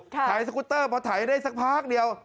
ถ่ายสกุตเตอร์พอถ่ายได้สักพักเดียว